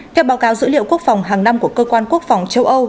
theo báo cáo dữ liệu quốc phòng hàng năm của cơ quan quốc phòng châu âu